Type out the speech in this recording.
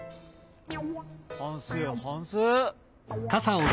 はんせいはんせい。